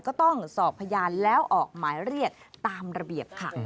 ก็ต้องสอบพยานแล้วออกหมายเรียกตามระเบียบค่ะ